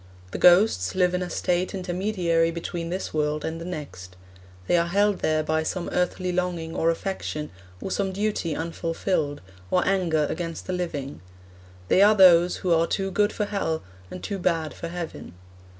The ghosts live in a state intermediary between this world and the next. They are held there by some earthly longing or affection, or some duty unfulfilled, or anger against the living; they are those who are too good for hell, and too bad for heaven.